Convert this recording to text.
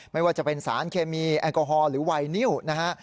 ไม่ว่าจะเป็นสารเคมีแอลกอฮอลหรือไวนิวนะฮะ